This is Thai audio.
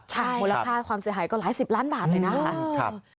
มูลค่าความเสียหายก็หลายสิบล้านบาทเลยนะคะ